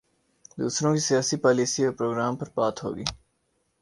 دوسروں کی سیاسی پالیسی اور پروگرام پر بات ہو گی۔